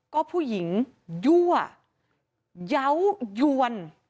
ก็ผู้หญิงยั่วเยาว์ยวน